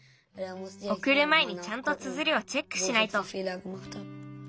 おくるまえにちゃんとつづりをチェックしないと。